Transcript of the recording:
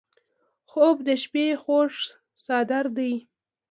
خوب د شپه خوږ څادر دی